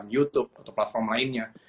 youtube atau platform lainnya